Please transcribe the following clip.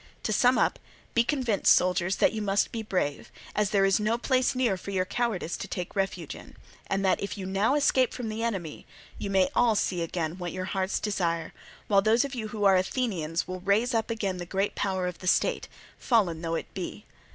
To sum up, be convinced, soldiers, that you must be brave, as there is no place near for your cowardice to take refuge in, and that if you now escape from the enemy, you may all see again what your hearts desire, while those of you who are Athenians will raise up again the great power of the state, fallen though it be.